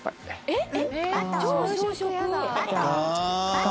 えっ？